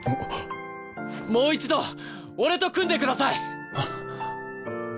もう一度俺と組んでください！